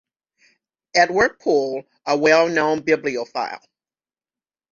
Edward Poole, a well-known bibliophile.